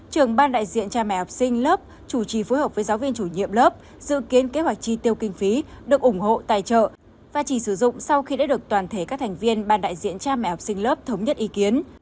trưởng ban đại diện cha mẹ học sinh lớp chủ trì phối hợp với giáo viên chủ nhiệm lớp dự kiến kế hoạch chi tiêu kinh phí được ủng hộ tài trợ và chỉ sử dụng sau khi đã được toàn thể các thành viên ban đại diện cha mẹ học sinh lớp thống nhất ý kiến